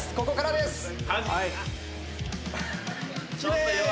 ここからです。